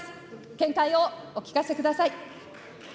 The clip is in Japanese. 見解をお聞かせください。